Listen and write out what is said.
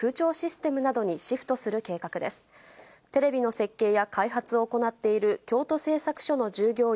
テレビの設計や開発を行っている京都製作所の従業員